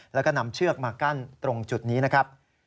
แล้วก็นำเชือกมากั้นตรงจุดนี้นะครับ